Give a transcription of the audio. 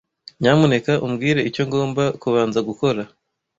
Nyamuneka umbwire icyo ngomba kubanza gukora.